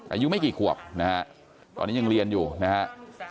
อายุไม่กี่ขวบนะฮะตอนนี้ยังเรียนอยู่นะฮะ